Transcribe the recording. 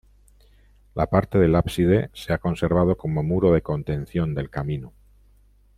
La parte del ábside se ha conservado como muro de contención del camino.